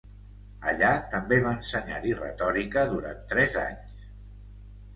Allà també va ensenyar-hi retòrica durant tres anys.